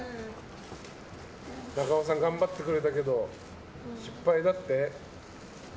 中尾さん、頑張ってくれたけど失敗だって。